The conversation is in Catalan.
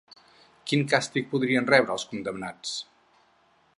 Quin càstig podrien rebre els condemnats?